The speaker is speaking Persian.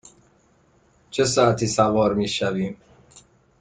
چه ساعتی سوار می شویم؟